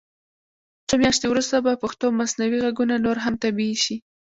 څو میاشتې وروسته به پښتو مصنوعي غږونه نور هم طبعي شي.